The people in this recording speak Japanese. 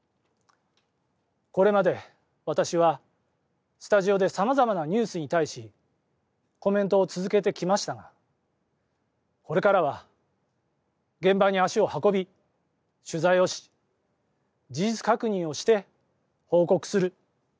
これまで私はスタジオで様々なニュースに対しコメントを続けてきましたがこれからは現場に足を運び、取材をし事実確認をして報告する。